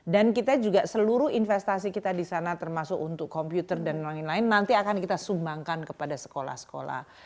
dan kita juga seluruh investasi kita di sana termasuk untuk komputer dan lain lain nanti akan kita sumbangkan kepada sekolah sekolah